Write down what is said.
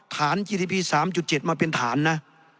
ฐานกิติพี๓๗มาเป็นฐานนะ